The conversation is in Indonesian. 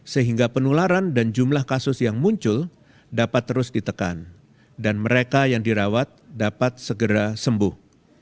sehingga penularan dan jumlah kasus yang muncul dapat terus ditekan dan mereka yang dirawat dapat segera sembuh